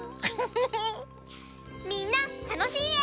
みんなたのしいえを。